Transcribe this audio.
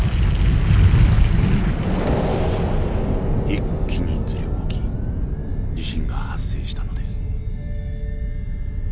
一気にずれ動き地震が発生したのです。